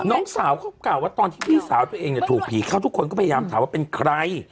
น้องสาวเขากล่าวว่าตอนที่พี่สาวตัวเองถูกผีเข้าทุกคนก็พยายามถามว่าเป็นใคร